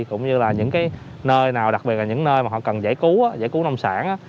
cũng như là những cái nơi nào đặc biệt là những nơi mà họ cần giải cứu giải cứu nông sản